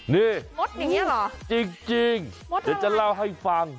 นี่จริงเดี๋ยวจะเล่าให้ฟัง